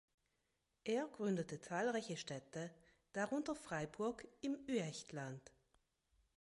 Er gründete zahlreiche Städte, darunter Freiburg im Üechtland.